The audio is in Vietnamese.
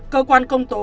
cơ quan công tố